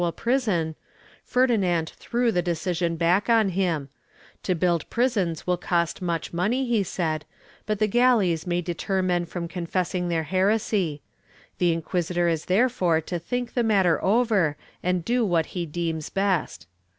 Ill] THE GALLEYS 141 prison, Ferdinand threw the decision back on him; to build pris ons will cost much money, he said, but the galleys may deter men from confessing their heresy; the inquisitor is therefore to think the matter over and do what he deems best.